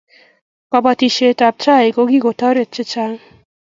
kabatishiet ab chaik ko kikotaret chechang'